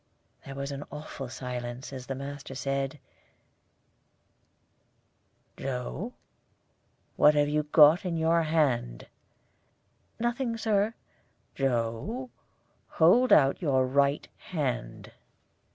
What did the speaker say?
There was awful silence as the master said, "Joe, what have you in your hand?" "Nothing, Sir." "Joe, hold out your right hand."